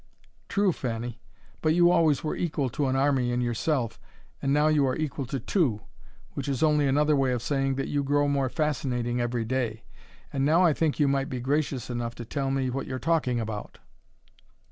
"True, Fanny! But you always were equal to an army in yourself, and now you are equal to two which is only another way of saying that you grow more fascinating every day. And now I think you might be gracious enough to tell me what you're talking about."